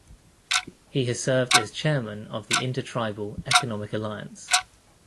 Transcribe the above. He has served as Chairman of the Inter Tribal Economic Alliance.